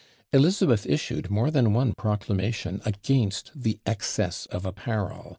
Elizabeth issued more than one proclamation against "the excess of apparel!"